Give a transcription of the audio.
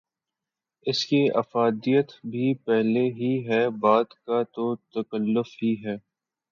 اس کی افادیت بھی پہلے ہی ہے، بعد کا تو تکلف ہی ہے۔